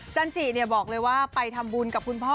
จันจิบอกเลยว่าไปทำบุญกับคุณพ่อ